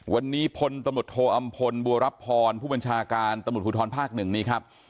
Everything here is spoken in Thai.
วันนี้พลตมธโทอำพลบัวรับพรผู้บัญชาการตมธพุทธรภาคหนึ่งนี้ครับ